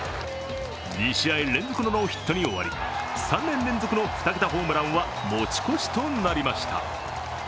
２試合連続のノーヒットに終わり３年連続の２桁ホームランは持ち越しとなりました。